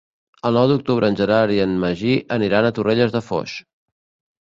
El nou d'octubre en Gerard i en Magí aniran a Torrelles de Foix.